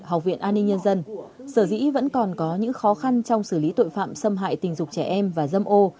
học viện an ninh nhân dân sở dĩ vẫn còn có những khó khăn trong xử lý tội phạm xâm hại tình dục trẻ em và dâm ô